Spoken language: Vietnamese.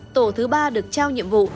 tổ thứ ba được trao nhiệm vụ